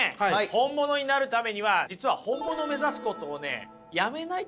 本物になるためには実は本物を目指すことをねやめないといけないんですよね。